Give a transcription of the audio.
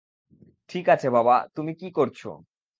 ঠিক আছে বাবা, তুমি কি করছো?